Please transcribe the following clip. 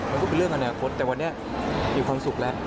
มันก็เป็นเรื่องอนาคตแต่วันนี้มีความสุขแล้ว